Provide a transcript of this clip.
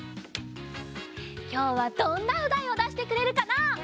きょうはどんなおだいをだしてくれるかな？